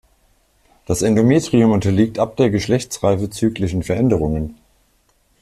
Das Endometrium unterliegt ab der Geschlechtsreife zyklischen Veränderungen.